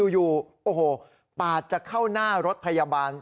อยู่โอ้โหปาดจะเข้าหน้ารถพยาบาล